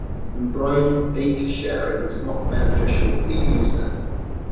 Unbridled data sharing is not beneficial to the user.